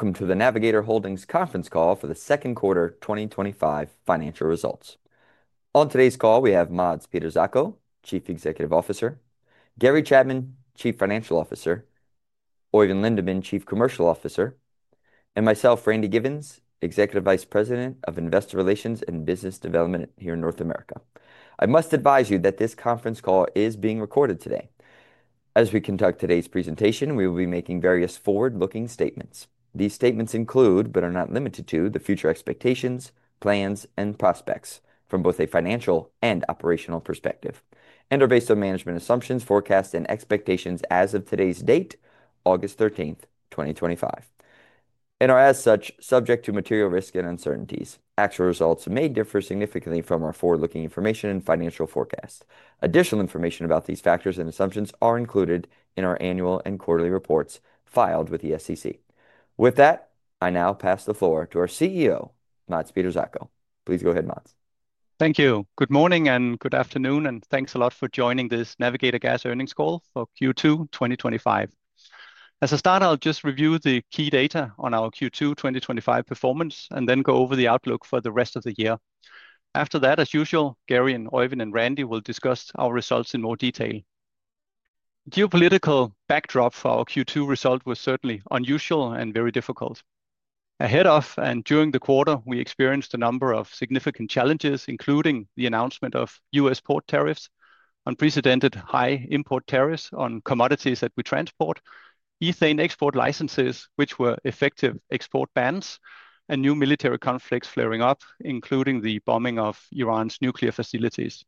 Welcome to the Navigator Holdings Conference Call for the Second Quarter 2025 Financial Results. On today's call, we have Mads Peter Zacho, Chief Executive Officer, Gary Chapman, Chief Financial Officer, Oeyvind Lindeman, Chief Commercial Officer, and myself, Randy Giveans, Executive Vice President of Investor Relations and Business Development here in North America. I must advise you that this conference call is being recorded today. As we conduct today's presentation, we will be making various forward-looking statements. These statements include, but are not limited to, the future expectations, plans, and prospects from both a financial and operational perspective, and are based on management assumptions, forecasts, and expectations as of today's date, August 13th, 2025, and are as such subject to material risk and uncertainties. Actual results may differ significantly from our forward-looking information and financial forecasts. Additional information about these factors and assumptions are included in our annual and quarterly reports filed with the SEC. With that, I now pass the floor to our CEO, Mads Peter Zacho. Please go ahead, Mads. Thank you. Good morning and good afternoon, and thanks a lot for joining this Navigator Gas Earnings Call for Q2 2025. As a start, I'll just review the key data on our Q2 2025 performance and then go over the outlook for the rest of the year. After that, as usual, Gary and Oeyvind and Randy will discuss our results in more detail. The geopolitical backdrop for our Q2 result was certainly unusual and very difficult. Ahead of and during the quarter, we experienced a number of significant challenges, including the announcement of U.S. port tariffs, unprecedented high import tariffs on commodities that we transport, ethane export licenses, which were effective export bans, and new military conflicts flaring up, including the bombing of Iran's nuclear facilities.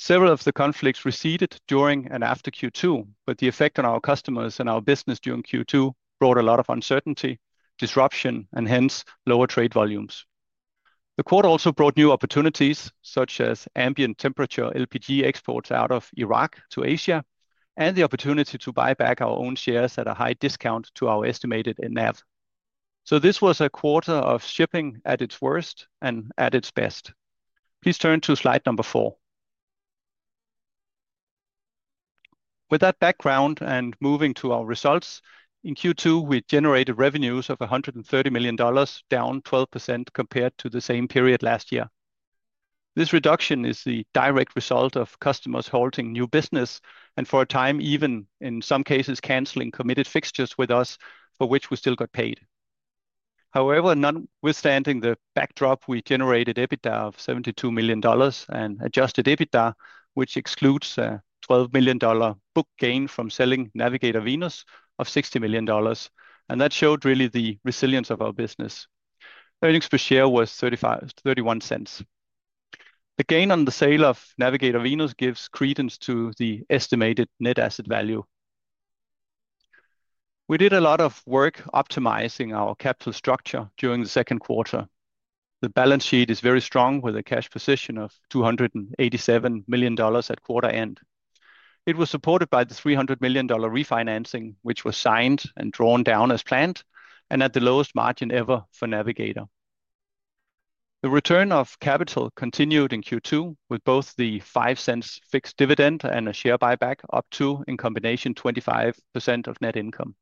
Several of the conflicts receded during and after Q2, but the effect on our customers and our business during Q2 brought a lot of uncertainty, disruption, and hence lower trade volumes. The quarter also brought new opportunities, such as ambient temperature LPG exports out of Iraq to Asia and the opportunity to buy back our own shares at a high discount to our estimated NAV. This was a quarter of shipping at its worst and at its best. Please turn to slide number four. With that background and moving to our results, in Q2, we generated revenues of $130 million, down 12% compared to the same period last year. This reduction is the direct result of customers halting new business and for a time, even in some cases, canceling committed fixtures with us for which we still got paid. However, notwithstanding the backdrop, we generated EBITDA of $72 million and adjusted EBITDA, which excludes a $12 million book gain from selling Navigator Venus, of $60 million, and that showed really the resilience of our business. Earnings per share was $0.31. The gain on the sale of Navigator Venus gives credence to the estimated net asset value. We did a lot of work optimizing our capital structure during the second quarter. The balance sheet is very strong with a cash position of $287 million at quarter end. It was supported by the $300 million refinancing, which was signed and drawn down as planned, and at the lowest margin ever for Navigator. The return of capital continued in Q2 with both the $0.05 fixed dividend and a share buyback up to, in combination, 25% of net income.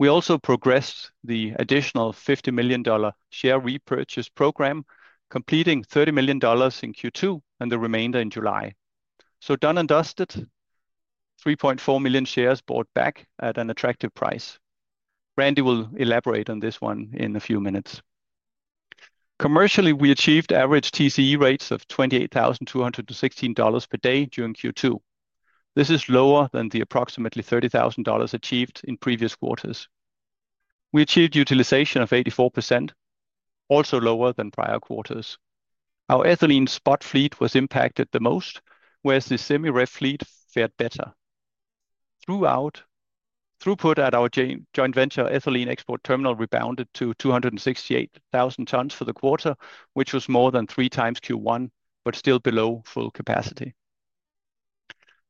We also progressed the additional $50 million share repurchase program, completing $30 million in Q2 and the remainder in July. Done and dusted, 3.4 million shares bought back at an attractive price. Randy will elaborate on this one in a few minutes. Commercially, we achieved average TCE rates of $28,216 per day during Q2. This is lower than the approximately $30,000 achieved in previous quarters. We achieved utilization of 84%, also lower than prior quarters. Our ethylene spot fleet was impacted the most, whereas the semi-ref fleet fared better. Throughout, throughput at our joint venture ethylene export terminal rebounded to 268,000 tons for the quarter, which was more than 3x Q1, but still below full capacity.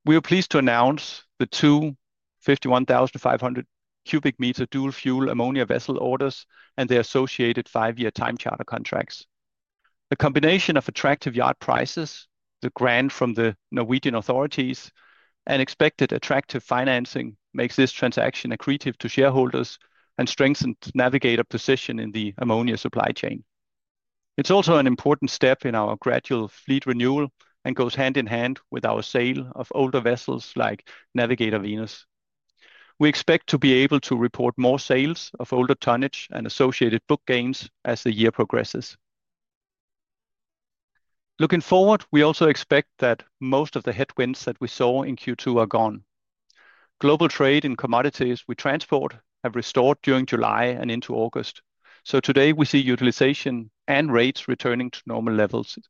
We are pleased to announce the two 51,500 CBM dual-fuel ammonia vessel orders and their associated five-year time charter contracts. The combination of attractive yard prices, the grant from the Norwegian authorities, and expected attractive financing makes this transaction accretive to shareholders and strengthens Navigator's position in the ammonia supply chain. It's also an important step in our gradual fleet renewal and goes hand in hand with our sale of older vessels like Navigator Venus. We expect to be able to report more sales of older tonnage and associated book gains as the year progresses. Looking forward, we also expect that most of the headwinds that we saw in Q2 are gone. Global trade in commodities we transport have restored during July and into August. Today we see utilization and rates returning to normal levels.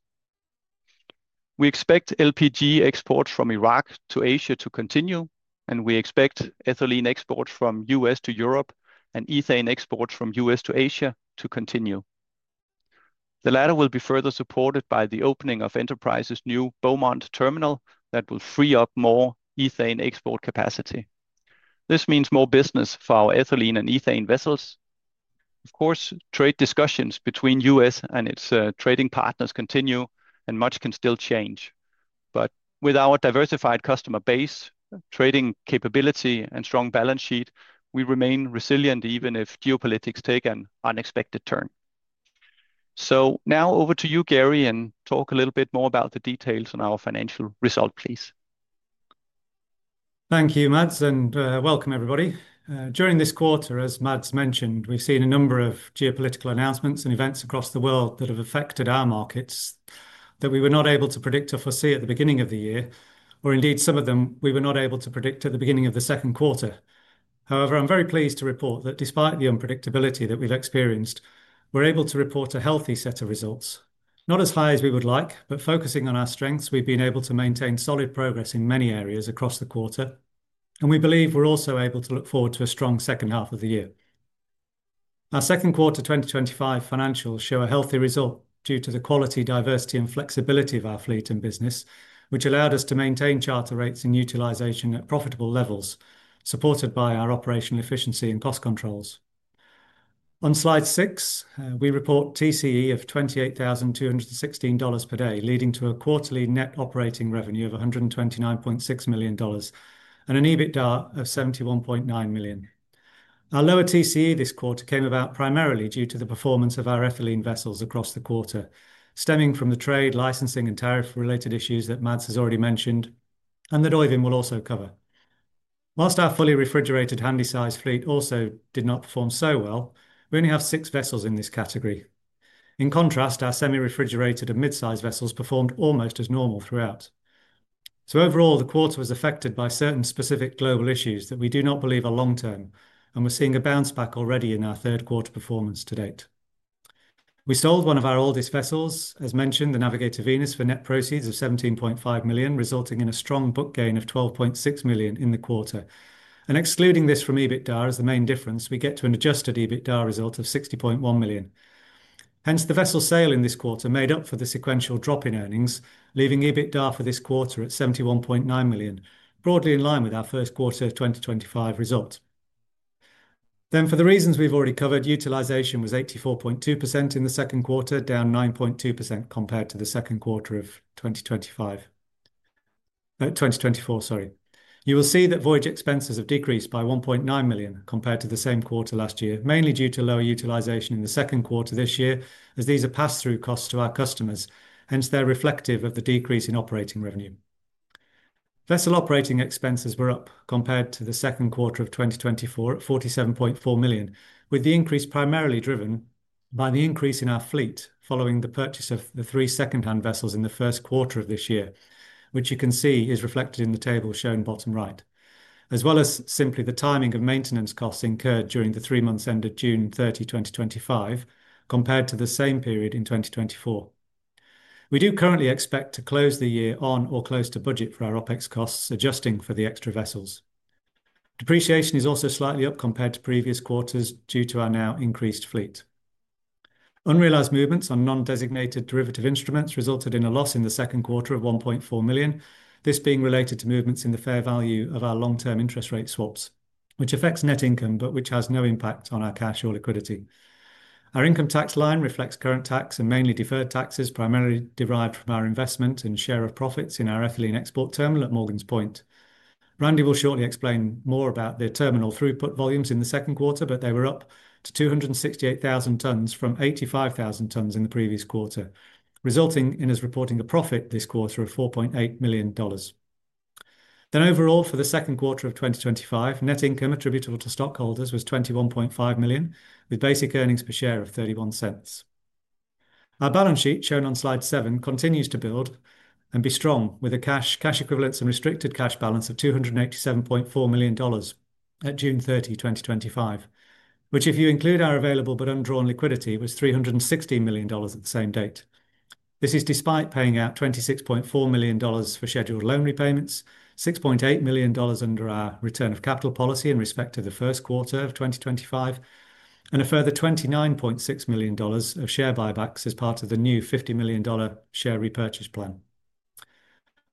We expect LPG exports from Iraq to Asia to continue, and we expect ethylene exports from the U.S. to Europe and ethane exports from the U.S. to Asia to continue. The latter will be further supported by the opening of Enterprise's new Beaumont terminal that will free up more ethane export capacity. This means more business for our ethylene and ethane vessels. Of course, trade discussions between the U.S. and its trading partners continue, and much can still change. With our diversified customer base, trading capability, and strong balance sheet, we remain resilient even if geopolitics takes an unexpected turn. Now over to you, Gary, and talk a little bit more about the details on our financial result, please. Thank you, Mads, and welcome, everybody. During this quarter, as Mads mentioned, we've seen a number of geopolitical announcements and events across the world that have affected our markets that we were not able to predict or foresee at the beginning of the year, or indeed some of them we were not able to predict at the beginning of the second quarter. However, I'm very pleased to report that despite the unpredictability that we've experienced, we're able to report a healthy set of results. Not as high as we would like, but focusing on our strengths, we've been able to maintain solid progress in many areas across the quarter, and we believe we're also able to look forward to a strong second half of the year. Our second quarter 2025 financials show a healthy result due to the quality, diversity, and flexibility of our fleet and business, which allowed us to maintain charter rates and utilization at profitable levels, supported by our operational efficiency and cost controls. On slide six, we report TCE of $28,216 per day, leading to a quarterly net operating revenue of $129.6 million and an EBITDA of $71.9 million. Our lower TCE this quarter came about primarily due to the performance of our ethylene vessels across the quarter, stemming from the trade, licensing, and tariff-related issues that Mads has already mentioned and that Oeyvind will also cover. Whilst our fully refrigerated handysize fleet also did not perform so well, we only have six vessels in this category. In contrast, our semi-refrigerated and mid-sized vessels performed almost as normal throughout. Overall, the quarter was affected by certain specific global issues that we do not believe are long-term, and we're seeing a bounce back already in our third quarter performance to date. We sold one of our oldest vessels, as mentioned, the Navigator Venus, for net proceeds of $17.5 million, resulting in a strong book gain of $12.6 million in the quarter. Excluding this from EBITDA as the main difference, we get to an adjusted EBITDA result of $60.1 million. The vessel sale in this quarter made up for the sequential drop in earnings, leaving EBITDA for this quarter at $71.9 million, broadly in line with our first quarter of 2025 result. For the reasons we've already covered, utilization was 84.2% in the second quarter, down 9.2% compared to the second quarter of 2024. You will see that voyage expenses have decreased by $1.9 million compared to the same quarter last year, mainly due to lower utilization in the second quarter this year, as these are pass-through costs to our customers. Hence, they're reflective of the decrease in operating revenue. Vessel operating expenses were up compared to the second quarter of 2024 at $47.4 million, with the increase primarily driven by the increase in our fleet following the purchase of the three second-hand vessels in the first quarter of this year, which you can see is reflected in the table shown bottom right, as well as simply the timing of maintenance costs incurred during the three months ended June 30, 2025, compared to the same period in 2024. We do currently expect to close the year on or close to budget for our OpEx costs, adjusting for the extra vessels. Depreciation is also slightly up compared to previous quarters due to our now increased fleet. Unrealized movements on non-designated derivative instruments resulted in a loss in the second quarter of $1.4 million, this being related to movements in the fair value of our long-term interest rate swaps, which affects net income, but which has no impact on our cash or liquidity. Our income tax line reflects current tax and mainly deferred taxes, primarily derived from our investment and share of profits in our ethylene export terminal at Morgan’s Point. Randy will surely explain more about the terminal throughput volumes in the second quarter, but they were up to 268,000 tons from 85,000 tons in the previous quarter, resulting in us reporting a profit this quarter of $4.8 million. Overall, for the second quarter of 2025, net income attributable to stockholders was $21.5 million, with basic earnings per share of $0.31. Our balance sheet shown on slide seven continues to build and be strong, with a cash equivalence and restricted cash balance of $287.4 million at June 30, 2025, which, if you include our available but undrawn liquidity, was $316 million at the same date. This is despite paying out $26.4 million for scheduled loan repayments, $6.8 million under our return of capital policy in respect to the first quarter of 2025, and a further $29.6 million of share buybacks as part of the new $50 million share repurchase plan.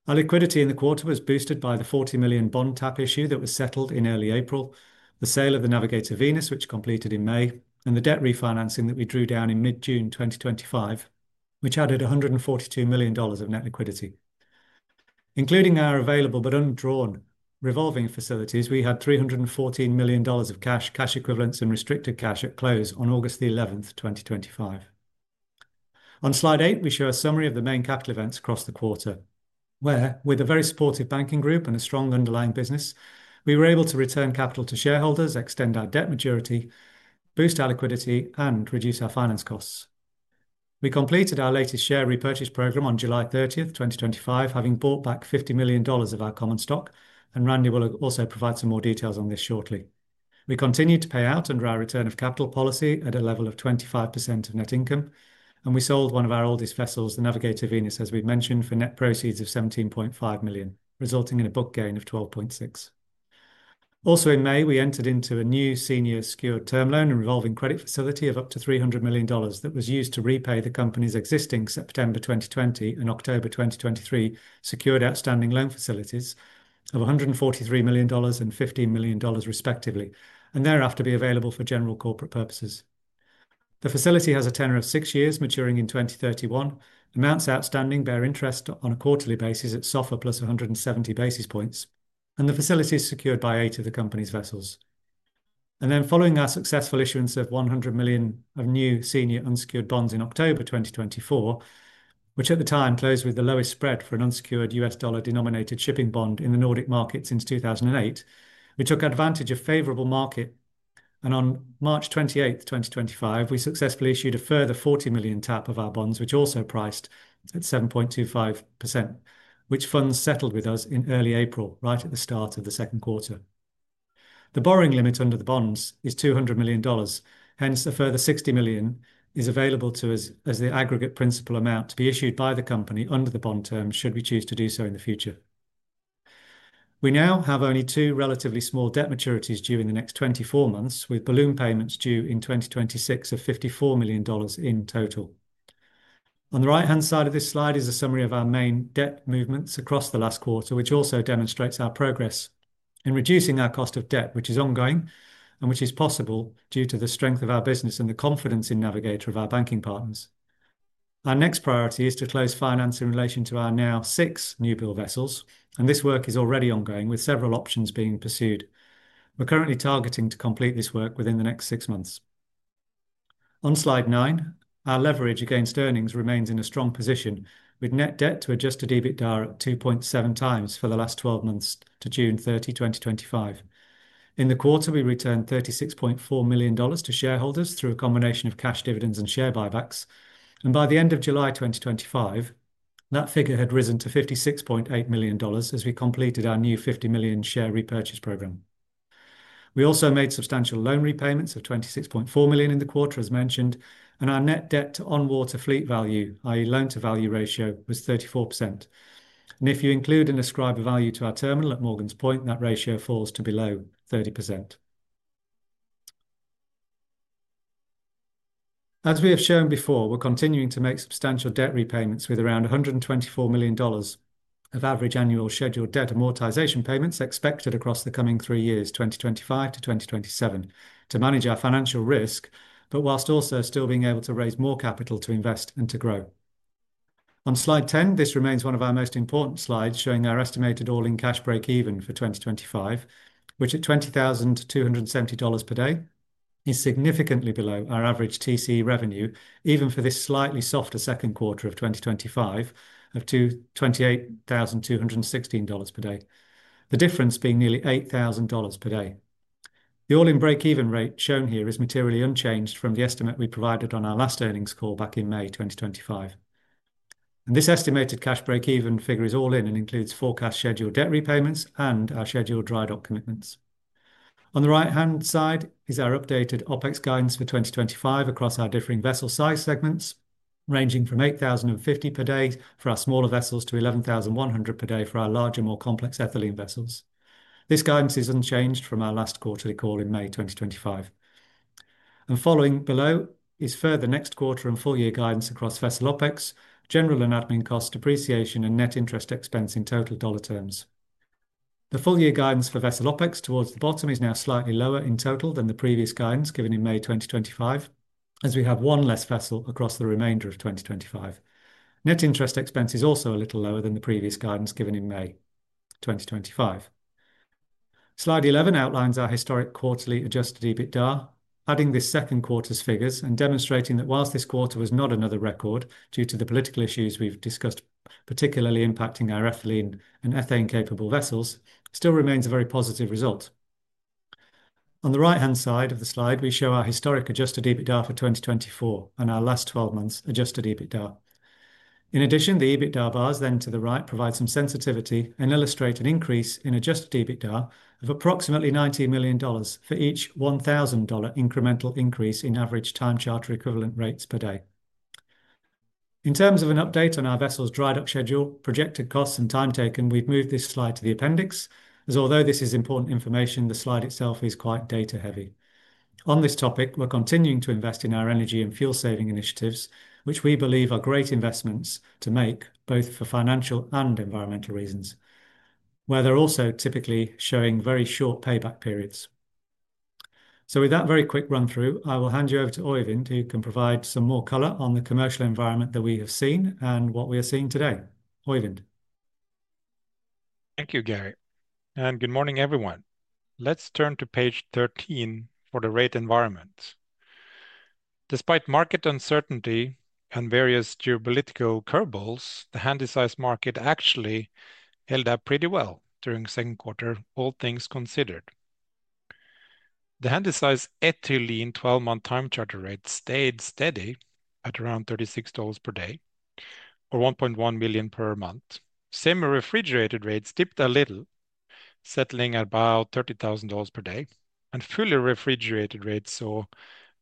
Our liquidity in the quarter was boosted by the $40 million bond tap issue that was settled in early April, the sale of the Navigator Venus, which completed in May, and the debt refinancing that we drew down in mid-June 2025, which added $142 million of net liquidity. Including our available but undrawn revolving facilities, we had $314 million of cash, cash equivalents, and restricted cash at close on August 11th, 2025. On slide eight, we show a summary of the main capital events across the quarter, where, with a very supportive banking group and a strong underlying business, we were able to return capital to shareholders, extend our debt maturity, boost our liquidity, and reduce our finance costs. We completed our latest share repurchase program on July 30th, 2025, having bought back $50 million of our common stock, and Randy will also provide some more details on this shortly. We continued to pay out under our return of capital policy at a level of 25% of net income, and we sold one of our oldest vessels, the Navigator Venus, as we've mentioned, for net proceeds of $17.5 million, resulting in a book gain of $12.6 million. Also in May, we entered into a new senior secured term loan and revolving credit facility of up to $300 million that was used to repay the company's existing September 2020 and October 2023 secured outstanding loan facilities of $143 million and $15 million, respectively, and thereafter be available for general corporate purposes. The facility has a tenure of six years, maturing in 2031, amounts outstanding bear interest on a quarterly basis at SOFR +170 basis points, and the facility is secured by eight of the company's vessels. Following our successful issuance of $100 million of new senior unsecured bonds in October 2024, which at the time closed with the lowest spread for an unsecured U.S. dollar denominated shipping bond in the Nordic market since 2008, we took advantage of favorable market conditions, and on March 28, 2025, we successfully issued a further $40 million tap of our bonds, which also priced at 7.25%, which funds settled with us in early April, right at the start of the second quarter. The borrowing limit under the bonds is $200 million. Hence, a further $60 million is available to us as the aggregate principal amount to be issued by the company under the bond terms, should we choose to do so in the future. We now have only two relatively small debt maturities due in the next 24 months, with balloon payments due in 2026 of $54 million in total. On the right-hand side of this slide is a summary of our main debt movements across the last quarter, which also demonstrates our progress in reducing our cost of debt, which is ongoing and which is possible due to the strength of our business and the confidence in Navigator of our banking partners. Our next priority is to close finance in relation to our now six newbuild vessels, and this work is already ongoing with several options being pursued. We're currently targeting to complete this work within the next six months. On slide nine, our leverage against earnings remains in a strong position, with net debt to adjusted EBITDA at 2.7x for the last 12 months to June 30, 2025. In the quarter, we returned $36.4 million to shareholders through a combination of cash dividends and share buybacks, and by the end of July 2025, that figure had risen to $56.8 million as we completed our new $50 million share repurchase program. We also made substantial loan repayments of $26.4 million in the quarter, as mentioned, and our net debt to on-water fleet value, i.e., loan-to-value ratio, was 34%. If you include and ascribe a value to our terminal at Morgan’s Point, that ratio falls to below 30%. As we have shown before, we're continuing to make substantial debt repayments with around $124 million of average annual scheduled debt amortization payments expected across the coming three years, 2025-2027, to manage our financial risk, whilst also still being able to raise more capital to invest and to grow. On slide 10, this remains one of our most important slides showing our estimated all-in cash break-even for 2025, which at $20,270 per day is significantly below our average TCE revenue, even for this slightly softer second quarter of 2025, of $28,216 per day, the difference being nearly $8,000 per day. The all-in break-even rate shown here is materially unchanged from the estimate we provided on our last earnings call back in May 2025. This estimated cash break-even figure is all-in and includes forecast scheduled debt repayments and our scheduled dry dock commitments. On the right-hand side is our updated OpEx guidance for 2025 across our differing vessel size segments, ranging from $8,050 per day for our smaller vessels to $11,100 per day for our larger, more complex ethylene vessels. This guidance is unchanged from our last quarterly call in May 2025. Following below is further next quarter and full-year guidance across vessel OpEx, general and admin costs, depreciation, and net interest expense in total dollar terms. The full-year guidance for vessel OpEx towards the bottom is now slightly lower in total than the previous guidance given in May 2025, as we have one less vessel across the remainder of 2025. Net interest expense is also a little lower than the previous guidance given in May 2025. Slide 11 outlines our historic quarterly adjusted EBITDA, adding this second quarter's figures and demonstrating that whilst this quarter was not another record due to the political issues we've discussed, particularly impacting our ethylene and ethane-capable vessels, it still remains a very positive result. On the right-hand side of the slide, we show our historic adjusted EBITDA for 2024 and our last 12 months' adjusted EBITDA. In addition, the EBITDA bars then to the right provide some sensitivity and illustrate an increase in adjusted EBITDA of approximately $19 million for each $1,000 incremental increase in average time charter equivalent rates per day. In terms of an update on our vessels' dry dock schedule, projected costs, and time taken, we've moved this slide to the appendix, as although this is important information, the slide itself is quite data-heavy. On this topic, we're continuing to invest in our energy and fuel-saving initiatives, which we believe are great investments to make both for financial and environmental reasons, where they're also typically showing very short payback periods. With that very quick run-through, I will hand you over to Oeyvind, who can provide some more color on the commercial environment that we have seen and what we are seeing today. Oeyvind. Thank you, Gary, and good morning, everyone. Let's turn to page 13 for the rate environments. Despite market uncertainty and various geopolitical curveballs, the handysize market actually held up pretty well during the second quarter, all things considered. The handysize ethylene 12-month time charter rate stayed steady at around $36,000 per day, or $1.1 million per month. Semi-refrigerated rates dipped a little, settling at about $30,000 per day, and fully refrigerated rates saw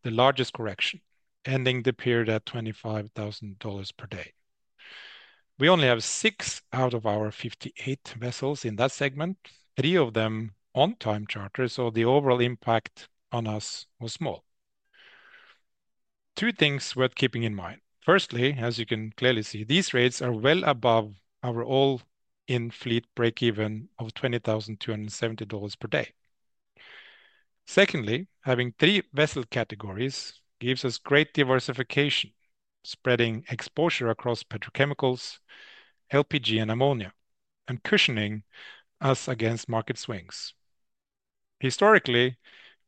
the largest correction, ending the period at $25,000 per day. We only have six out of our 58 vessels in that segment, three of them on time charters, so the overall impact on us was small. Two things worth keeping in mind. Firstly, as you can clearly see, these rates are well above our all-in fleet break-even of $20,270 per day. Secondly, having three vessel categories gives us great diversification, spreading exposure across petrochemicals, LPG, and ammonia, and cushioning us against market swings. Historically,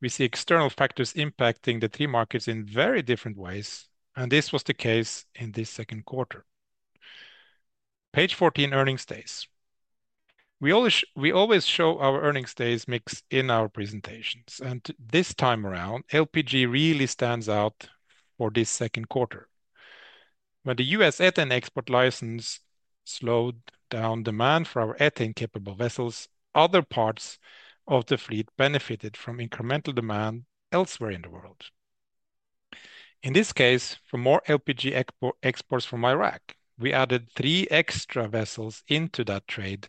we see external factors impacting the three markets in very different ways, and this was the case in this second quarter. Page 14, earnings days. We always show our earnings days mix in our presentations, and this time around, LPG really stands out for this second quarter. When the U.S. ethane export license slowed down demand for our ethane-capable vessels, other parts of the fleet benefited from incremental demand elsewhere in the world. In this case, for more LPG exports from Iraq, we added three extra vessels into that trade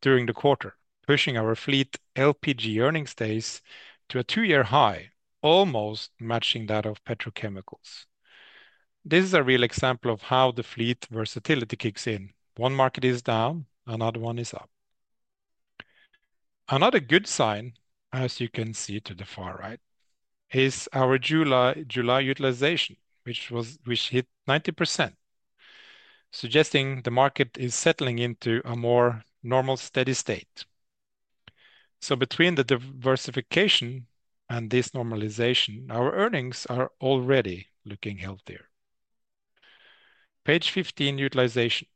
during the quarter, pushing our fleet LPG earnings days to a two-year high, almost matching that of petrochemicals. This is a real example of how the fleet versatility kicks in. One market is down, another one is up. Another good sign, as you can see to the far right, is our July utilization, which hit 90%, suggesting the market is settling into a more normal, steady state. Between the diversification and this normalization, our earnings are already looking healthier. Page 15, utilization.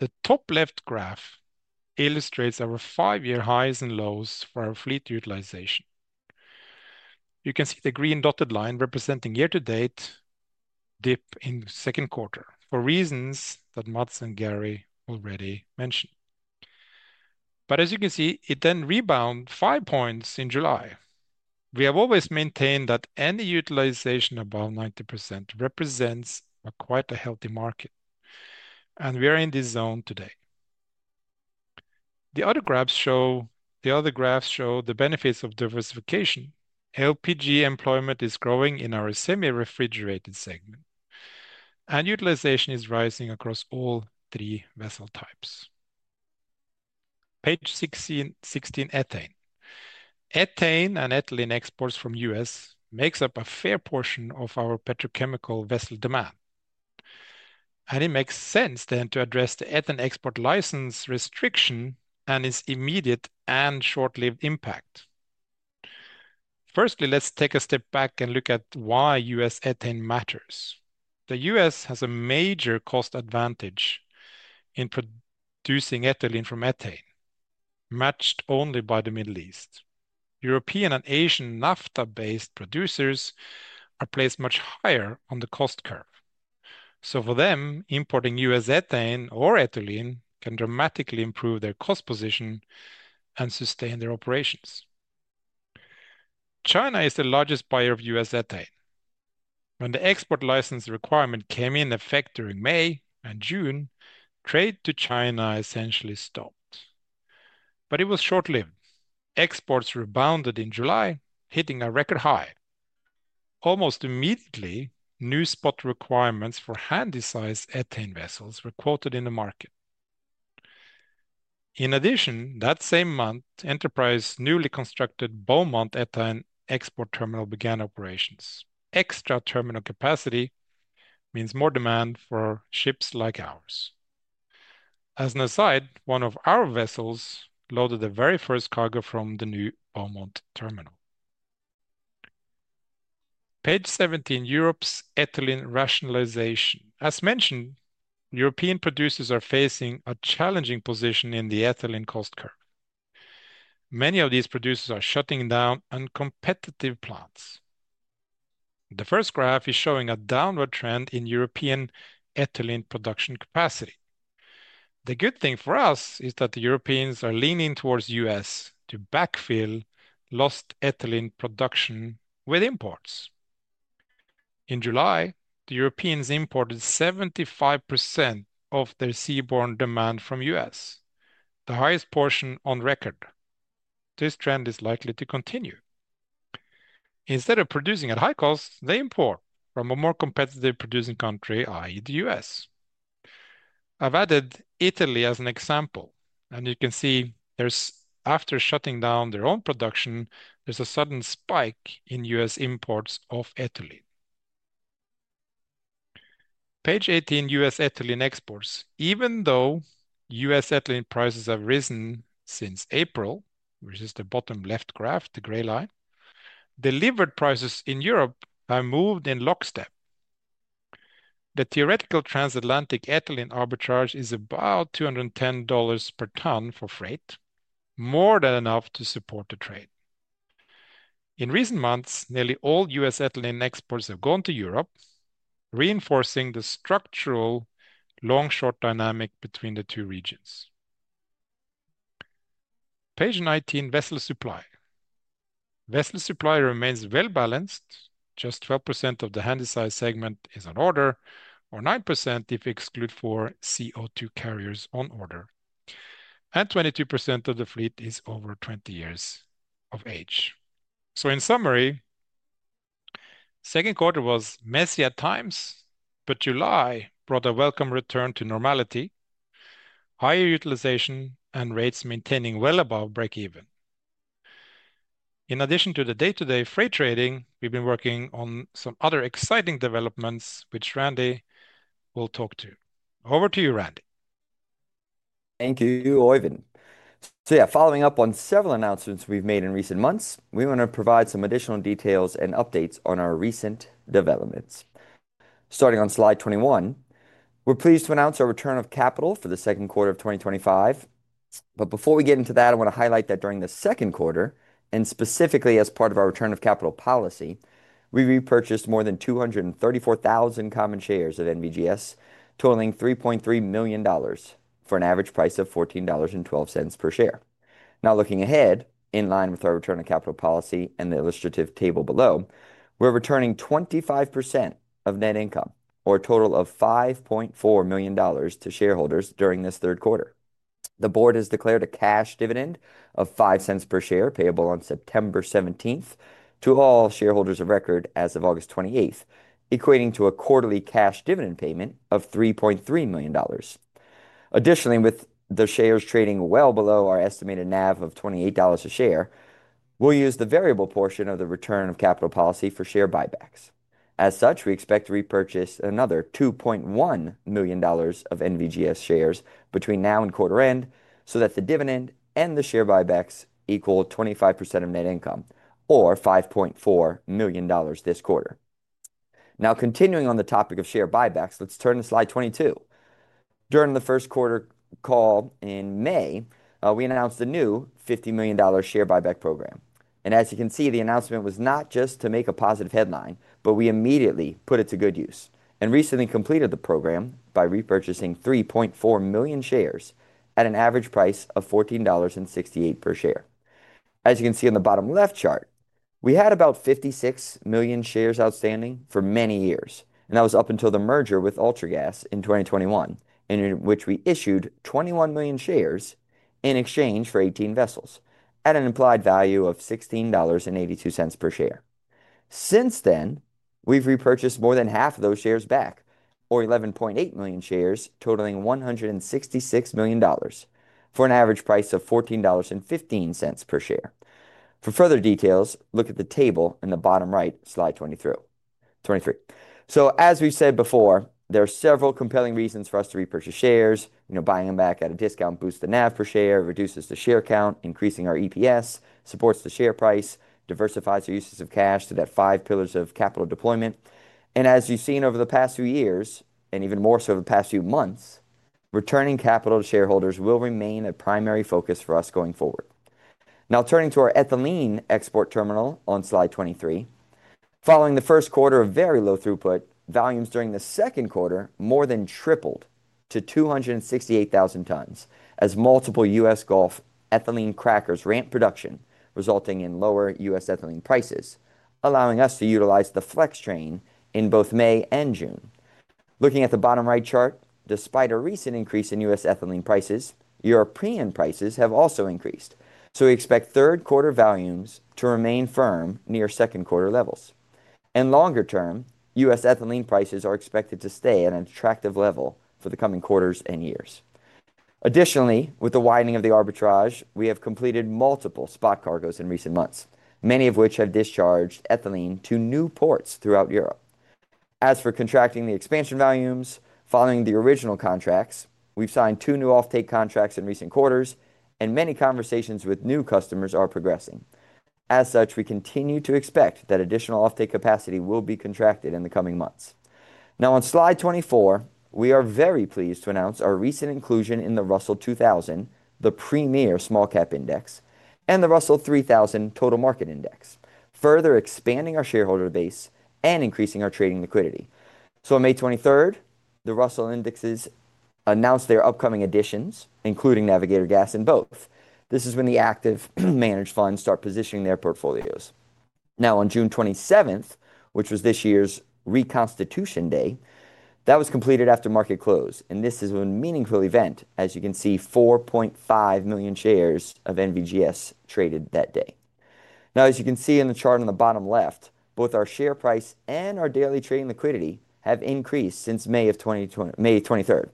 The top left graph illustrates our five-year highs and lows for our fleet utilization. You can see the green dotted line representing year-to-date dip in the second quarter, for reasons that Mads and Gary already mentioned. As you can see, it then rebounds five points in July. We have always maintained that any utilization above 90% represents quite a healthy market, and we are in this zone today. The other graphs show the benefits of diversification. LPG employment is growing in our semi-refrigerated segment, and utilization is rising across all three vessel types. Page 16, ethane. Ethane and ethylene exports from the U.S. make up a fair portion of our petrochemical vessel demand. It makes sense then to address the ethane export license restriction and its immediate and short-lived impact. Firstly, let's take a step back and look at why U.S. ethane matters. The U.S. has a major cost advantage in producing ethylene from ethane, matched only by the Middle East. European and Asian naphtha-based producers are placed much higher on the cost curve. For them, importing U.S. ethane or ethylene can dramatically improve their cost position and sustain their operations. China is the largest buyer of U.S. ethane. When the export license requirement came in effect during May and June, trade to China essentially stopped. It was short-lived. Exports rebounded in July, hitting a record high. Almost immediately, new spot requirements for handysize ethane vessels were quoted in the market. In addition, that same month, Enterprise's newly constructed Beaumont ethane export terminal began operations. Extra terminal capacity means more demand for ships like ours. As an aside, one of our vessels loaded the very first cargo from the new Beaumont terminal. Page 17, Europe's ethylene rationalization. As mentioned, European producers are facing a challenging position in the ethylene cost curve. Many of these producers are shutting down uncompetitive plants. The first graph is showing a downward trend in European ethylene production capacity. The good thing for us is that the Europeans are leaning towards the U.S. to backfill lost ethylene production with imports. In July, the Europeans imported 75% of their seaborne demand from the U.S., the highest portion on record. This trend is likely to continue. Instead of producing at high costs, they import from a more competitive producing country, i.e., the U.S. I've added Italy as an example, and you can see there's, after shutting down their own production, there's a sudden spike in U.S. imports of ethylene. Page 18, U.S. ethylene exports. Even though U.S. ethylene prices have risen since April, which is the bottom left graph, the gray line, delivered prices in Europe have moved in lockstep. The theoretical transatlantic ethylene arbitrage is about $210 per ton for freight, more than enough to support the trade. In recent months, nearly all U.S. ethylene exports have gone to Europe, reinforcing the structural long-short dynamic between the two regions. Page 19, vessel supply. Vessel supply remains well-balanced. Just 12% of the handysize segment is on order, or 9% if excluded for CO2 carriers on order, and 22% of the fleet is over 20 years of age. In summary, the second quarter was messy at times, but July brought a welcome return to normality, higher utilization, and rates maintaining well above break-even. In addition to the day-to-day freight trading, we've been working on some other exciting developments, which Randy will talk to. Over to you, Randy. Thank you, Oeyvind. Following up on several announcements we've made in recent months, we want to provide some additional details and updates on our recent developments. Starting on slide 21, we're pleased to announce our return of capital for the second quarter of 2025. Before we get into that, I want to highlight that during the second quarter, and specifically as part of our return of capital policy, we repurchased more than 234,000 common shares at NVGS, totaling $3.3 million for an average price of $14.12 per share. Now looking ahead, in line with our return of capital policy and the illustrative table below, we're returning 25% of net income, or a total of $5.4 million, to shareholders during this third quarter. The board has declared a cash dividend of $0.05 per share payable on September 17th to all shareholders of record as of August 28th, equating to a quarterly cash dividend payment of $3.3 million. Additionally, with the shares trading well below our estimated NAV of $28 a share, we'll use the variable portion of the return of capital policy for share buybacks. As such, we expect to repurchase another $2.1 million of NVGS shares between now and quarter end, so that the dividend and the share buybacks equal 25% of net income, or $5.4 million this quarter. Continuing on the topic of share buybacks, let's turn to slide 22. During the first quarter call in May, we announced the new $50 million share buyback program. As you can see, the announcement was not just to make a positive headline, but we immediately put it to good use and recently completed the program by repurchasing 3.4 million shares at an average price of $14.68 per share. As you can see on the bottom left chart, we had about 56 million shares outstanding for many years, and that was up until the merger with Ultragas in 2021, in which we issued 21 million shares in exchange for 18 vessels at an implied value of $16.82 per share. Since then, we've repurchased more than half of those shares back, or 11.8 million shares, totaling $166 million, for an average price of $14.15 per share. For further details, look at the table in the bottom right slide 23. As we've said before, there are several compelling reasons for us to repurchase shares. Buying them back at a discount boosts the NAV per share, reduces the share count, increasing our EPS, supports the share price, diversifies our uses of cash to that five pillars of capital deployment. As you've seen over the past few years, and even more so the past few months, returning capital to shareholders will remain a primary focus for us going forward. Now turning to our ethylene export terminal on slide 23. Following the first quarter of very low throughput, volumes during the second quarter more than tripled to 268,000 tons, as multiple U.S. Gulf ethylene crackers ramped production, resulting in lower U.S. ethylene prices, allowing us to utilize the flex train in both May and June. Looking at the bottom right chart, despite a recent increase in U.S. ethylene prices, European prices have also increased. We expect third quarter volumes to remain firm near second quarter levels. Longer term, U.S. ethylene prices are expected to stay at an attractive level for the coming quarters and years. Additionally, with the widening of the arbitrage, we have completed multiple spot cargoes in recent months, many of which have discharged ethylene to new ports throughout Europe. As for contracting the expansion volumes, following the original contracts, we've signed two new offtake contracts in recent quarters, and many conversations with new customers are progressing. We continue to expect that additional offtake capacity will be contracted in the coming months. Now on slide 24, we are very pleased to announce our recent inclusion in the Russell 2000, the premier small cap index, and the Russell 3000 total market index, further expanding our shareholder base and increasing our trading liquidity. On May 23rd, the Russell indexes announced their upcoming additions, including Navigator Gas in both. This is when the actively managed funds start positioning their portfolios. On June 27th, which was this year's Reconstitution Day, that was completed after market close, and this is a meaningful event. As you can see, 4.5 million shares of NVGS traded that day. As you can see in the chart on the bottom left, both our share price and our daily trading liquidity have increased since May of 2023.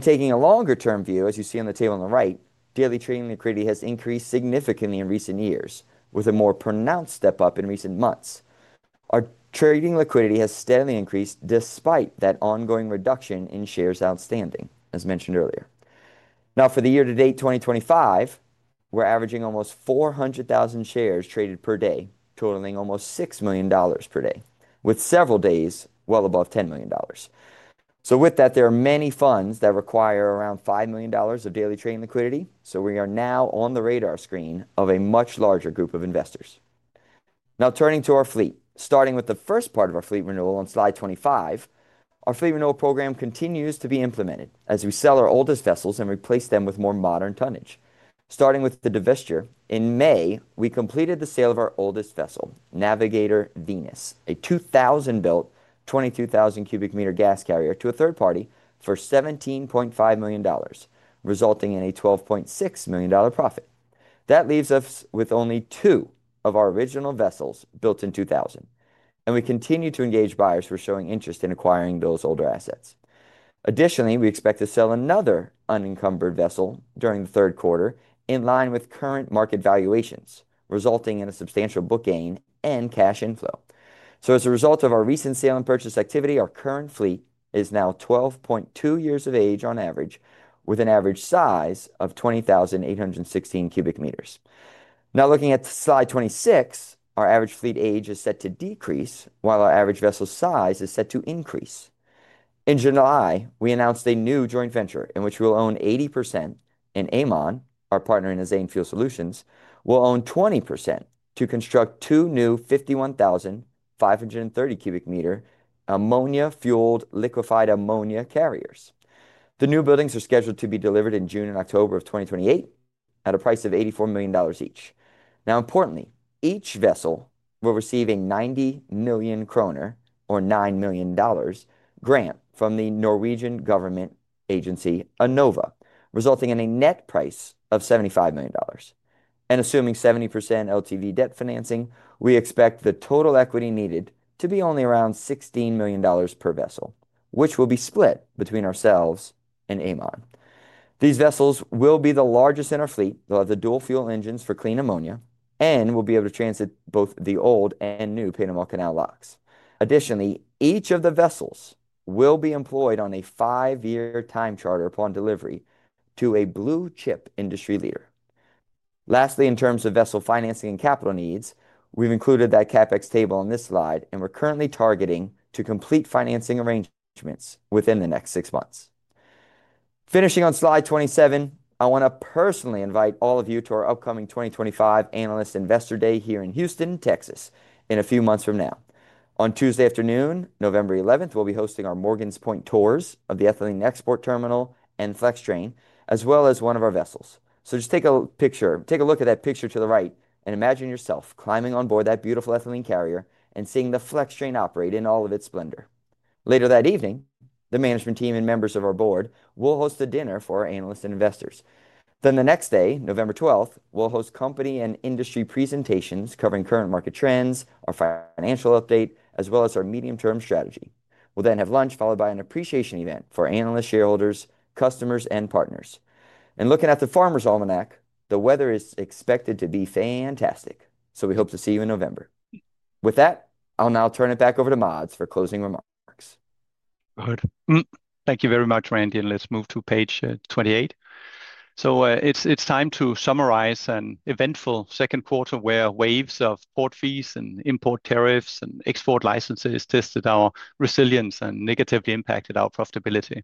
Taking a longer-term view, as you see on the table on the right, daily trading liquidity has increased significantly in recent years, with a more pronounced step up in recent months. Our trading liquidity has steadily increased despite that ongoing reduction in shares outstanding, as mentioned earlier. Now for the year-to-date 2025, we're averaging almost 400,000 shares traded per day, totaling almost $6 million per day, with several days well above $10 million. With that, there are many funds that require around $5 million of daily trading liquidity, so we are now on the radar screen of a much larger group of investors. Now turning to our fleet, starting with the first part of our fleet renewal on slide 25, our fleet renewal program continues to be implemented as we sell our oldest vessels and replace them with more modern tonnage. Starting with the divestiture, in May, we completed the sale of our oldest vessel, Navigator Venus, a 2000-built, 22,000 CBM gas carrier to a third party for $17.5 million, resulting in a $12.6 million profit. That leaves us with only two of our original vessels built in 2000, and we continue to engage buyers who are showing interest in acquiring those older assets. Additionally, we expect to sell another unencumbered vessel during the third quarter in line with current market valuations, resulting in a substantial book gain and cash inflow. As a result of our recent sale and purchase activity, our current fleet is now 12.2 years of age on average, with an average size of 20,816 CBM. Now looking at slide 26, our average fleet age is set to decrease, while our average vessel size is set to increase. In July, we announced a new joint venture in which we'll own 80%, and Amon, our partner in Azane Fuel Solutions, will own 20% to construct two new 51,530 CBM ammonia-fueled liquefied ammonia carriers. The new buildings are scheduled to be delivered in June and October of 2028 at a price of $84 million each. Importantly, each vessel will receive a 90 million kroner, or $9 million, grant from the Norwegian government agency, Enova, resulting in a net price of $75 million. Assuming 70% LTV debt financing, we expect the total equity needed to be only around $16 million per vessel, which will be split between ourselves and Amon. These vessels will be the largest in our fleet. They'll have the dual-fuel engines for clean ammonia and will be able to transit both the old and new Panama Canal locks. Additionally, each of the vessels will be employed on a five-year time charter upon delivery to a blue-chip industry leader. Lastly, in terms of vessel financing and capital needs, we've included that CapEx table on this slide, and we're currently targeting to complete financing arrangements within the next six months. Finishing on slide 27, I want to personally invite all of you to our upcoming 2025 Analyst Investor Day here in Houston, Texas, in a few months from now. On Tuesday afternoon, November 11th, we'll be hosting our Morgan’s Point tours of the ethylene export terminal and flex train, as well as one of our vessels. Just take a look at that picture to the right, and imagine yourself climbing on board that beautiful ethylene carrier and seeing the flex train operate in all of its splendor. Later that evening, the management team and members of our board will host a dinner for our analysts and investors. The next day, November 12th, we'll host company and industry presentations covering current market trends, our financial update, as well as our medium-term strategy. We'll then have lunch followed by an appreciation event for analysts, shareholders, customers, and partners. Looking at the Farmer's Almanac, the weather is expected to be fantastic. We hope to see you in November. With that, I'll now turn it back over to Mads for closing remarks. Thank you very much, Randy, and let's move to page 28. It's time to summarize an eventful second quarter where waves of port fees, import tariffs, and export licenses tested our resilience and negatively impacted our profitability.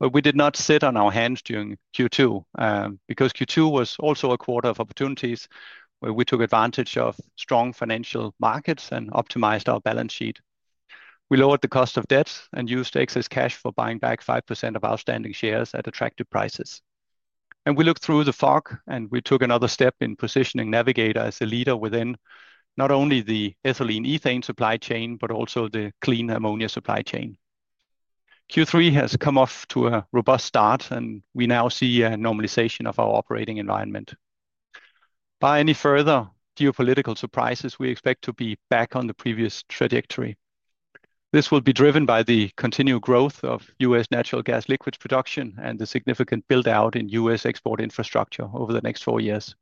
We did not sit on our hands during Q2 because Q2 was also a quarter of opportunities where we took advantage of strong financial markets and optimized our balance sheet. We lowered the cost of debt and used excess cash for buying back 5% of outstanding shares at attractive prices. We looked through the fog and took another step in positioning Navigator as a leader within not only the ethylene/ethane supply chain, but also the clean ammonia supply chain. Q3 has come off to a robust start, and we now see a normalization of our operating environment. Barring any further geopolitical surprises, we expect to be back on the previous trajectory. This will be driven by the continued growth of U.S. natural gas liquids production and the significant build-out in U.S. export infrastructure over the next four years.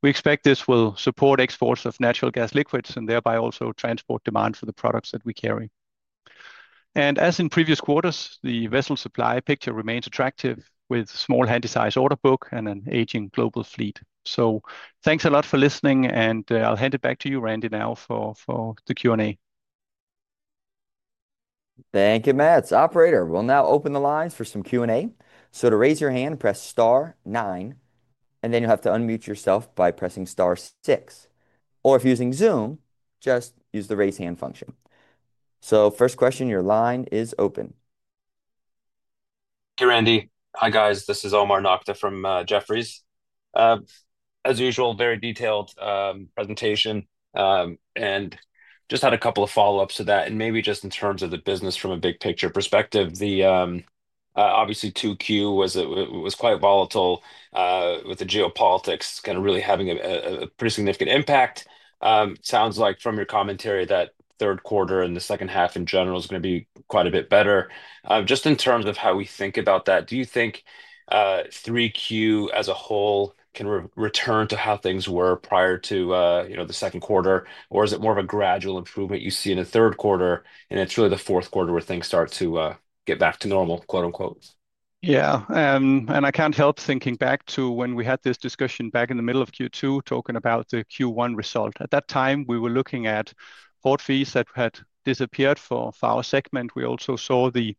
We expect this will support exports of natural gas liquids and thereby also transport demand for the products that we carry. As in previous quarters, the vessel supply picture remains attractive with a small handysize orderbook and an aging global fleet. Thanks a lot for listening, and I'll hand it back to you, Randy, now for the Q&A. Thank you, Mads. Operator, we'll now open the lines for some Q&A. To raise your hand, press star nine, and then you'll have to unmute yourself by pressing star six. If using Zoom, just use the raise hand function. First question, your line is open. Hey, Randy. Hi, guys. This is Omar Nokta from Jefferies. As usual, a very detailed presentation. I just had a couple of follow-ups to that. Maybe just in terms of the business from a big picture perspective, obviously Q2 was quite volatile with the geopolitics kind of really having a pretty significant impact. It sounds like from your commentary that third quarter and the second half in general is going to be quite a bit better. Just in terms of how we think about that, do you think Q3 as a whole can return to how things were prior to the second quarter, or is it more of a gradual improvement you see in the third quarter? It's really the fourth quarter where things start to get back to normal, quote unquote. Yeah, and I can't help thinking back to when we had this discussion back in the middle of Q2 talking about the Q1 result. At that time, we were looking at port fees that had disappeared for our segment. We also saw the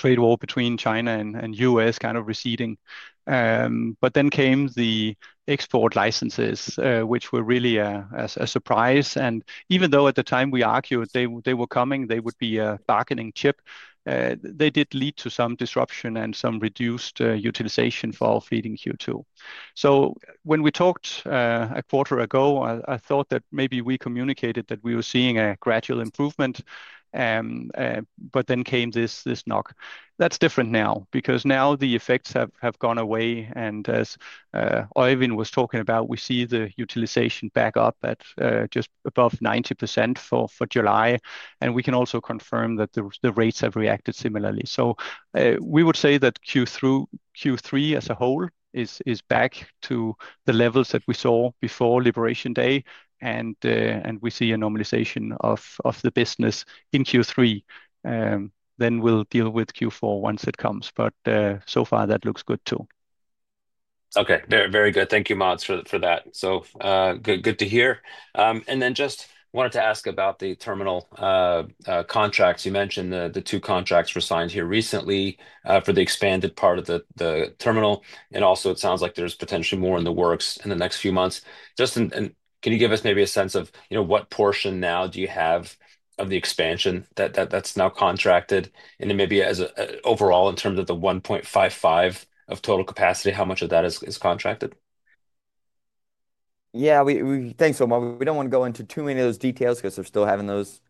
trade war between China and the U.S. kind of receding. Then came the export licenses, which were really a surprise. Even though at the time we argued they were coming, they would be a bargaining chip, they did lead to some disruption and some reduced utilization for our feeding Q2. When we talked a quarter ago, I thought that maybe we communicated that we were seeing a gradual improvement, but then came this knock. That is different now because now the effects have gone away. As Oeyvind was talking about, we see the utilization back up at just above 90% for July. We can also confirm that the rates have reacted similarly. We would say that Q3 as a whole is back to the levels that we saw before Liberation Day, and we see a normalization of the business in Q3. We will deal with Q4 once it comes. So far, that looks good too. Okay, very good. Thank you, Mads, for that. Good to hear. I just wanted to ask about the terminal contracts. You mentioned the two contracts were signed here recently for the expanded part of the terminal. It sounds like there's potentially more in the works in the next few months. Jus, can you give us maybe a sense of what portion now you have of the expansion that's now contracted? Maybe as overall, in terms of the 1.55 million tons of total capacity, how much of that is contracted? Yeah, thanks, Omar. We don't want to go into too many of those details because we're still having those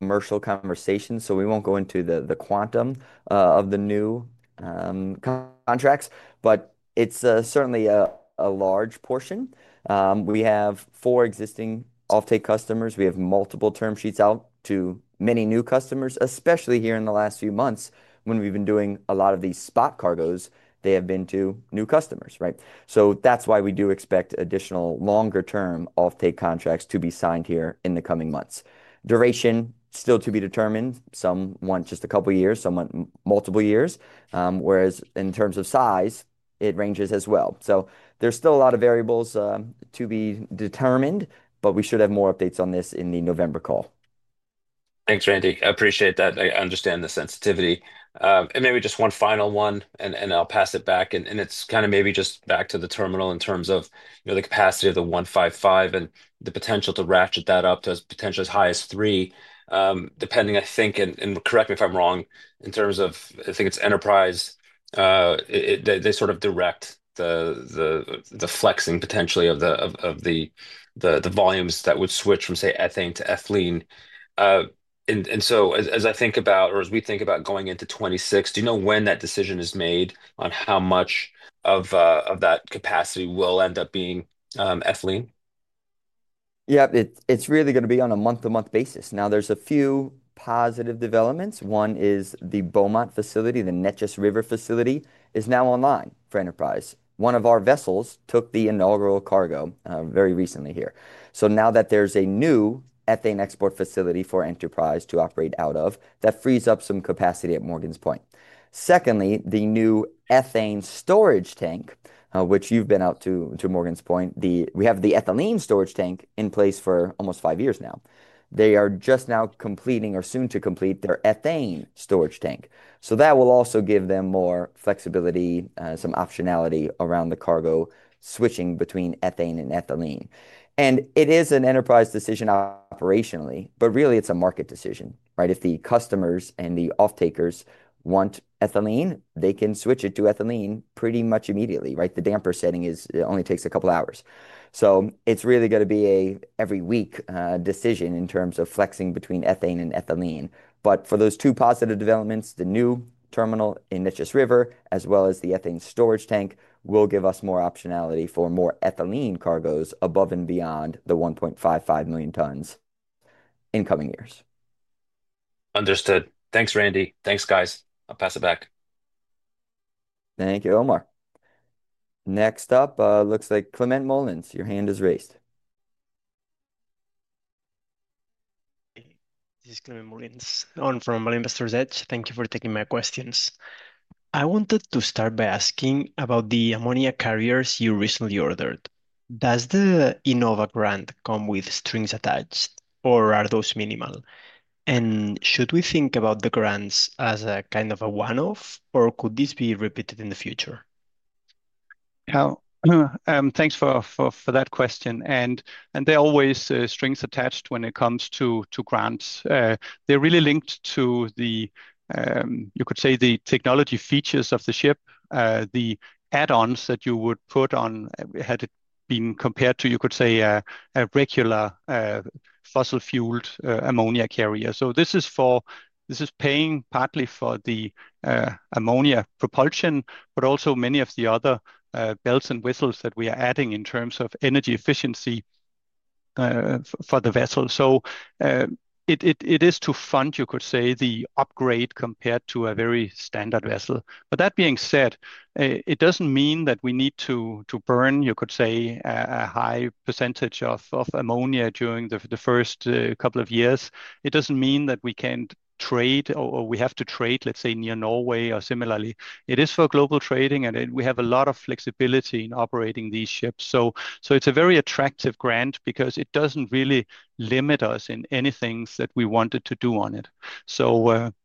commercial conversations. We won't go into the quantum of the new contracts, but it's certainly a large portion. We have four existing offtake customers. We have multiple term sheets out to many new customers, especially here in the last few months when we've been doing a lot of these spot cargoes. They have been to new customers, right? That's why we do expect additional longer-term offtake contracts to be signed here in the coming months. Duration still to be determined. Some want just a couple of years, some want multiple years. In terms of size, it ranges as well. There are still a lot of variables to be determined, but we should have more updates on this in the November call. Thanks, Randy. I appreciate that. I understand the sensitivity. Maybe just one final one, and I'll pass it back. It's kind of maybe just back to the terminal in terms of the capacity of the 1.55 million tons and the potential to ratchet that up to potentially as high as 3 million tons, depending, I think, and correct me if I'm wrong, in terms of I think it's Enterprise. They sort of direct the flexing potentially of the volumes that would switch from, say, ethane to ethylene. As I think about, or as we think about going into 2026, do you know when that decision is made on how much of that capacity will end up being ethylene? Yeah, it's really going to be on a month-to-month basis. Now, there's a few positive developments. One is the Beaumont facility, the Neches River facility, is now online for Enterprise. One of our vessels took the inaugural cargo very recently here. Now that there's a new ethane export facility for Enterprise to operate out of, that frees up some capacity at Morgan’s Point. Secondly, the new ethane storage tank, which you've been out to Morgan’s Point, we have the ethylene storage tank in place for almost five years now. They are just now completing or soon to complete their ethane storage tank. That will also give them more flexibility, some optionality around the cargo switching between ethane and ethylene. It is an Enterprise decision operationally, but really it's a market decision, right? If the customers and the offtakers want ethylene, they can switch it to ethylene pretty much immediately, right? The damper setting only takes a couple of hours. It's really going to be an every-week decision in terms of flexing between ethane and ethylene. For those two positive developments, the new terminal in Neches River, as well as the ethane storage tank, will give us more optionality for more ethylene cargoes above and beyond the 1.55 million tons in coming years. Understood. Thanks, Randy. Thanks, guys. I'll pass it back. Thank you, Omar. Next up, looks like Climent Molins, your hand is raised. This is Climent Molins, on from Value Investor's Edge. Thank you for taking my questions. I wanted to start by asking about the ammonia carriers you recently ordered. Does the Enova grant come with strings attached, or are those minimal? Should we think about the grants as a kind of a one-off, or could this be repeated in the future? Thanks for that question. There are always strings attached when it comes to grants. They're really linked to the, you could say, the technology features of the ship, the add-ons that you would put on had it been compared to, you could say, a regular fossil-fueled ammonia carrier. This is paying partly for the ammonia propulsion, but also many of the other bells and whistles that we are adding in terms of energy efficiency for the vessel. It is to fund, you could say, the upgrade compared to a very standard vessel. That being said, it doesn't mean that we need to burn, you could say, a high percentage of ammonia during the first couple of years. It doesn't mean that we can't trade, or we have to trade, let's say, near Norway or similarly. It is for global trading, and we have a lot of flexibility in operating these ships. It's a very attractive grant because it doesn't really limit us in any things that we wanted to do on it.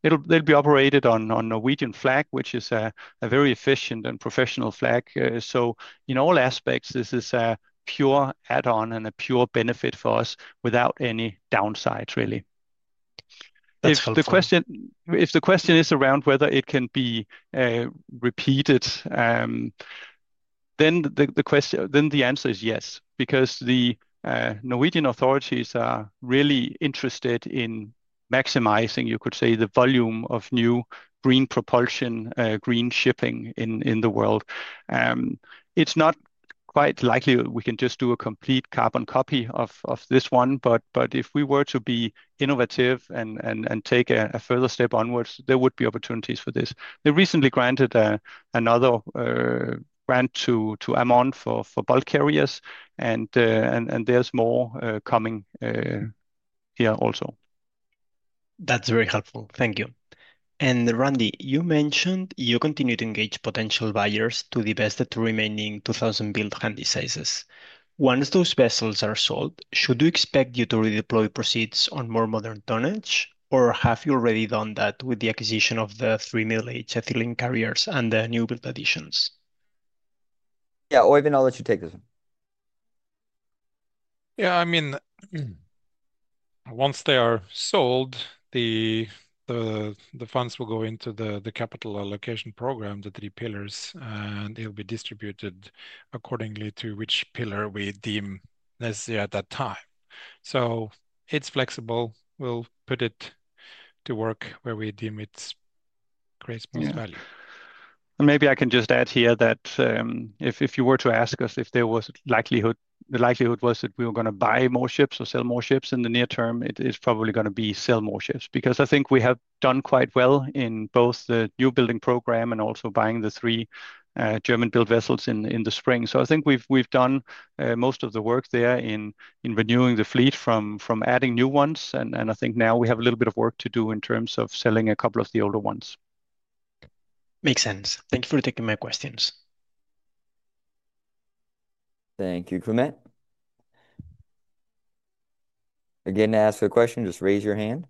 It'll be operated on Norwegian flag, which is a very efficient and professional flag. In all aspects, this is a pure add-on and a pure benefit for us without any downsides, really. If the question is around whether it can be repeated, then the answer is yes, because the Norwegian authorities are really interested in maximizing, you could say, the volume of new green propulsion, green shipping in the world. It's not quite likely we can just do a complete carbon copy of this one, but if we were to be innovative and take a further step onwards, there would be opportunities for this. They recently granted another grant to Amon for bulk carriers, and there's more coming here also. That's very helpful. Thank you. Randy, you mentioned you continue to engage potential buyers to divest the remaining 2000-built handysize vessels. Once those vessels are sold, should we expect you to redeploy proceeds on more modern tonnage, or have you already done that with the acquisition of the three middle-age ethylene carriers and the new-built additions? Yeah, Oeyvind, I'll let you take this one. Yeah, I mean, once they are sold, the funds will go into the capital allocation program, the three pillars, and it'll be distributed accordingly to which pillar we deem necessary at that time. It is flexible. We'll put it to work where we deem it creates most value. Maybe I can just add here that if you were to ask us if there was likelihood, the likelihood was that we were going to buy more ships or sell more ships, in the near term, it's probably going to be sell more ships, because I think we have done quite well in both the new building program and also buying the three German-built vessels in the spring. I think we've done most of the work there in renewing the fleet from adding new ones, and I think now we have a little bit of work to do in terms of selling a couple of the older ones. Makes sense. Thank you for taking my questions. Thank you, Climent. Again, to ask a question, just raise your hand.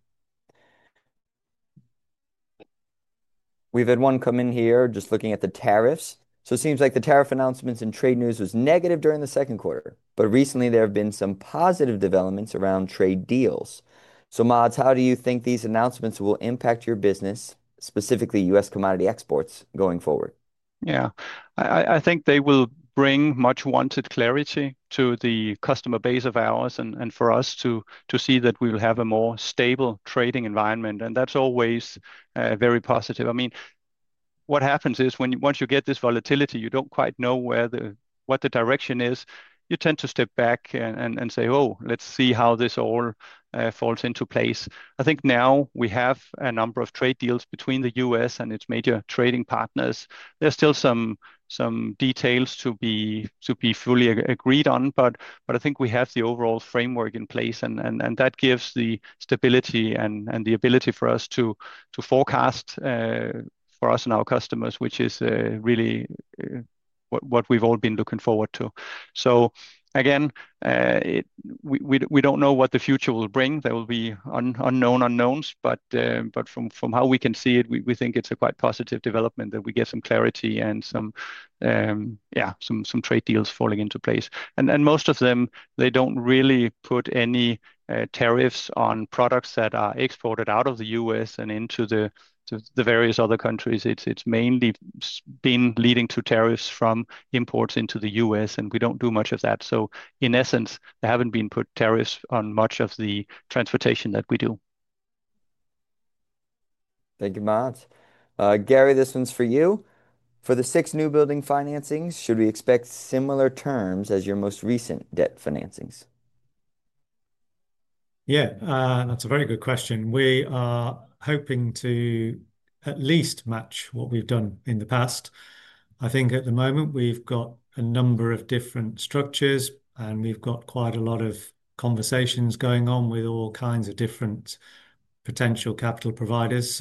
We've had one come in here just looking at the tariffs. It seems like the tariff announcements and trade news were negative during the second quarter, but recently there have been some positive developments around trade deals. Mads, how do you think these announcements will impact your business, specifically U.S. commodity exports going forward? Yeah, I think they will bring much-wanted clarity to the customer base of ours and for us to see that we will have a more stable trading environment, and that's always very positive. What happens is once you get this volatility, you don't quite know what the direction is. You tend to step back and say, oh, let's see how this all falls into place. I think now we have a number of trade deals between the U.S. and its major trading partners. There's still some details to be fully agreed on, but I think we have the overall framework in place, and that gives the stability and the ability for us to forecast for us and our customers, which is really what we've all been looking forward to. We don't know what the future will bring. There will be unknown unknowns, but from how we can see it, we think it's a quite positive development that we get some clarity and some, yeah, some trade deals falling into place. Most of them, they don't really put any tariffs on products that are exported out of the U.S. and into the various other countries. It's mainly been leading to tariffs from imports into the U.S., and we don't do much of that. In essence, there haven't been tariffs on much of the transportation that we do. Thank you, Mads. Gary, this one's for you. For the six newbuilding financings, should we expect similar terms as your most recent debt financings? Yeah, that's a very good question. We are hoping to at least match what we've done in the past. I think at the moment we've got a number of different structures, and we've got quite a lot of conversations going on with all kinds of different potential capital providers.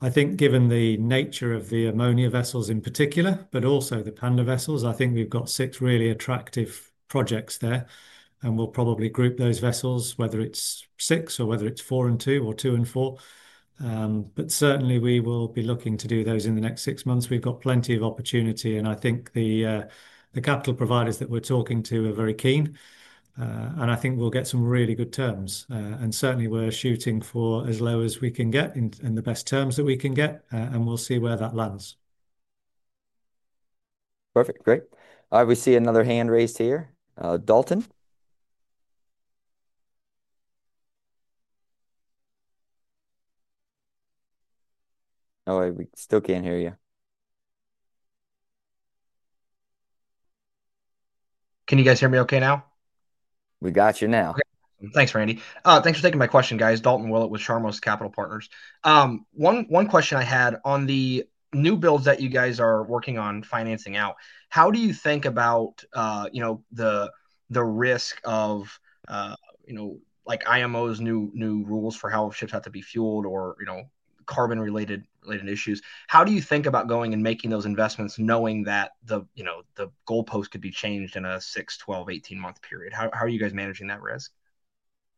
I think given the nature of the ammonia vessels in particular, but also the PANDA vessels, we've got six really attractive projects there, and we'll probably group those vessels, whether it's six or whether it's four and two or two and four. Certainly we will be looking to do those in the next six months. We've got plenty of opportunity, and I think the capital providers that we're talking to are very keen, and I think we'll get some really good terms. Certainly we're shooting for as low as we can get and the best terms that we can get, and we'll see where that lands. Perfect, great. We see another hand raised here. Dalton? We still can't hear you. Can you guys hear me okay now? We got you now. Okay, thanks, Randy. Thanks for taking my question, guys. Dalton Willett with Sharmos Capital Partners. One question I had on the new builds that you guys are working on financing out. How do you think about the risk of, you know, like IMO's new rules for how ships have to be fueled or carbon-related issues? How do you think about going and making those investments knowing that the goalpost could be changed in a 6, 12, 18-month period? How are you guys managing that risk?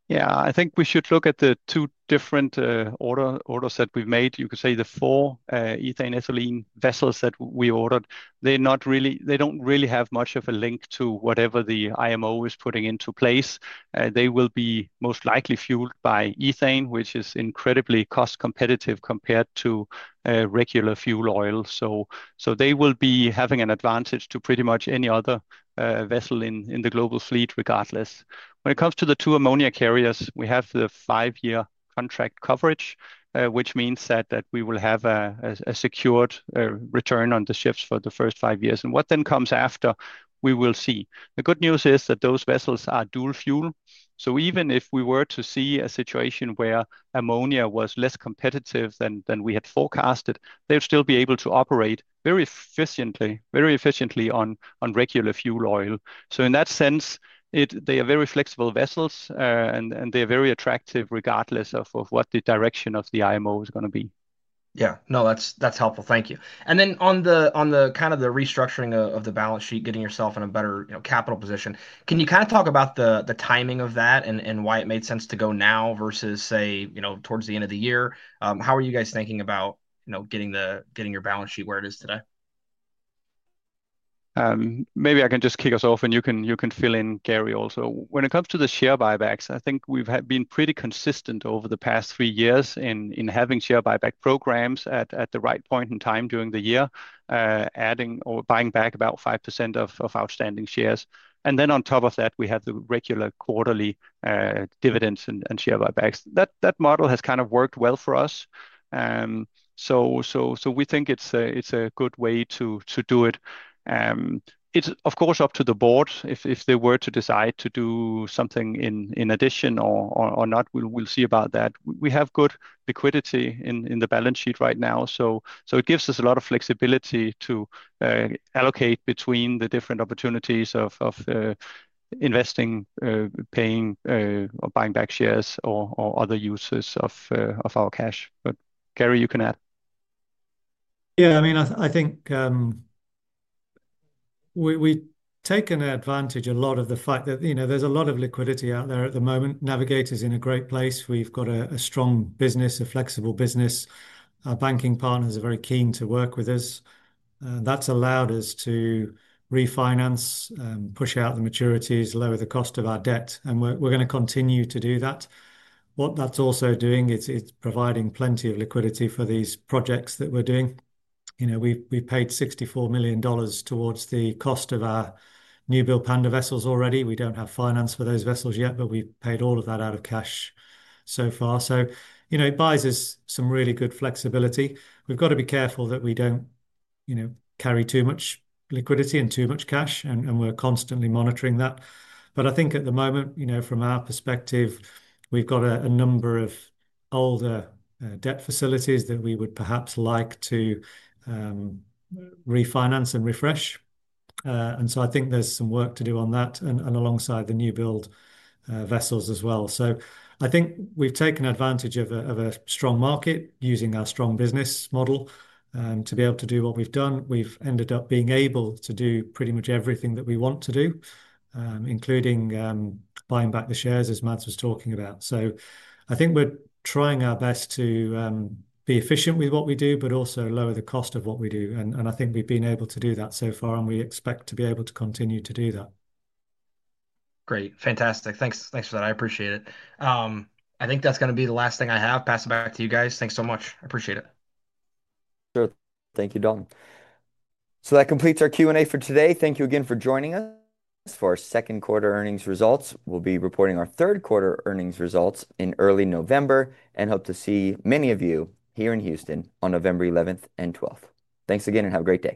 Yeah, I think we should look at the two different orders that we've made. You could say the four ethane-ethylene vessels that we ordered don't really have much of a link to whatever the IMO is putting into place. They will be most likely fueled by ethane, which is incredibly cost-competitive compared to regular fuel oil. They will be having an advantage to pretty much any other vessel in the global fleet regardless. When it comes to the two ammonia carriers, we have the five-year contract coverage, which means that we will have a secured return on the ships for the first five years. What then comes after, we will see. The good news is that those vessels are dual-fuel. Even if we were to see a situation where ammonia was less competitive than we had forecasted, they would still be able to operate very efficiently on regular fuel oil. In that sense, they are very flexible vessels, and they're very attractive regardless of what the direction of the IMO is going to be. Yeah, no, that's helpful. Thank you. On the kind of the restructuring of the balance sheet, getting yourself in a better capital position, can you kind of talk about the timing of that and why it made sense to go now versus, say, towards the end of the year? How are you guys thinking about getting your balance sheet where it is today? Maybe I can just kick us off, and you can fill in, Gary, also. When it comes to the share buybacks, I think we've been pretty consistent over the past three years in having share buyback programs at the right point in time during the year, adding or buying back about 5% of outstanding shares. On top of that, we have the regular quarterly dividends and share buybacks. That model has kind of worked well for us. We think it's a good way to do it. It's, of course, up to the board. If they were to decide to do something in addition or not, we'll see about that. We have good liquidity in the balance sheet right now. It gives us a lot of flexibility to allocate between the different opportunities of investing, paying, or buying back shares or other uses of our cash. Gary, you can add. Yeah, I mean, I think we've taken advantage a lot of the fact that there's a lot of liquidity out there at the moment. Navigator's in a great place. We've got a strong business, a flexible business. Our banking partners are very keen to work with us. That's allowed us to refinance, push out the maturities, lower the cost of our debt, and we're going to continue to do that. What that's also doing is providing plenty of liquidity for these projects that we're doing. We paid $64 million towards the cost of our new-built PANDA vessels already. We don't have finance for those vessels yet, but we've paid all of that out of cash so far. It buys us some really good flexibility. We've got to be careful that we don't carry too much liquidity and too much cash, and we're constantly monitoring that. I think at the moment, from our perspective, we've got a number of older debt facilities that we would perhaps like to refinance and refresh. I think there's some work to do on that and alongside the new-build vessels as well. I think we've taken advantage of a strong market using our strong business model. To be able to do what we've done, we've ended up being able to do pretty much everything that we want to do, including buying back the shares as Mads was talking about. I think we're trying our best to be efficient with what we do, but also lower the cost of what we do. I think we've been able to do that so far, and we expect to be able to continue to do that. Great, fantastic. Thanks for that. I appreciate it. I think that's going to be the last thing I have. Pass it back to you guys. Thanks so much. I appreciate it. Sure. Thank you, Dalton. That completes our Q&A for today. Thank you again for joining us for our second quarter earnings results. We'll be reporting our third quarter earnings results in early November and hope to see many of you here in Houston on November 11th and 12th. Thanks again and have a great day.